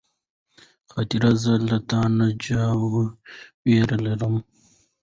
خاطره زه له تا نه چا وړې يم